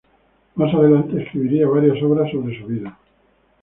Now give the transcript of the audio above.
Más adelante escribiría varias obras sobre su vida.